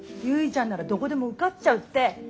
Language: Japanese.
結ちゃんならどこでも受かっちゃうって。